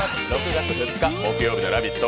６月２日木曜日の「ラヴィット！」。